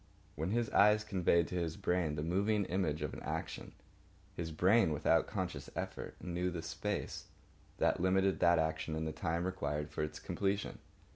When his eyes conveyed to his brain the moving image of an action, his brain without conscious effort, knew the space that limited that action and the time required for its completion.